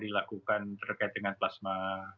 dilakukan terkait dengan plasma